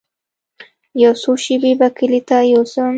يو څو شپې به کلي ته يوسم.